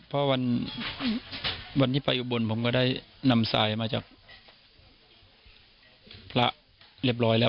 เพราะวันที่ไปอุบลผมก็ได้นำทรายมาจากพระเรียบร้อยแล้ว